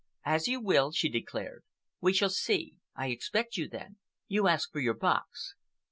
"As you will," she declared. "We shall see. I expect you, then. You ask for your box."